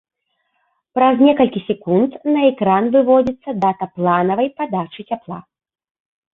Праз некалькі секунд на экран выводзіцца дата планаванай падачы цяпла.